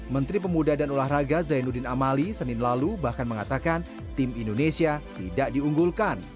menteri pemuda dan olahraga zainuddin amali senin lalu bahkan mengatakan tim indonesia tidak diunggulkan